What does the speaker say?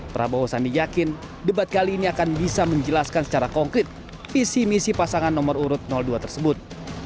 prabowo sandi yakin debat kali ini akan bisa menjelaskan secara konkret visi misi pasangan nomor urut dua tersebut